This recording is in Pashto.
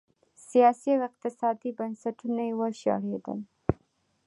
سیاسي او اقتصادي بنسټونه یې وشړېدل.